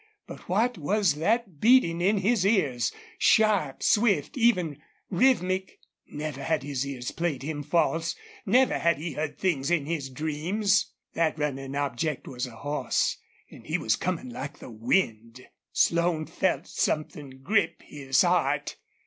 But what was that beating in his ears sharp, swift, even, rhythmic? Never had his ears played him false. Never had he heard things in his dreams. That running object was a horse and he was coming like the wind. Slone felt something grip his heart.